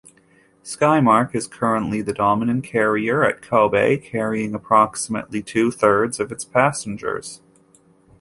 Skymark is currently the dominant carrier at Kobe carrying approximately two-thirds of its passengers.